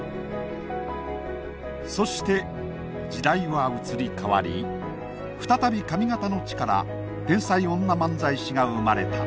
そして時代は移り変わり再び上方の地から天才女漫才師が生まれた。